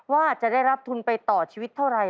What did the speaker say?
ว่าจะได้รับทุนไปต่อชีวิตเท่าไร